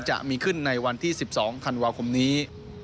จะมีขึ้นในวันที่๑๒ธันวาคมนี้